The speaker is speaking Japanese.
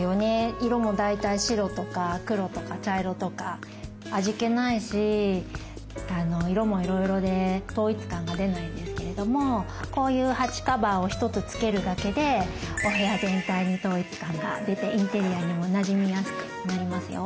色も大体白とか黒とか茶色とか味気ないし色もいろいろで統一感が出ないですけれどもこういう鉢カバーを一つつけるだけでお部屋全体に統一感が出てインテリアにもなじみやすくなりますよ。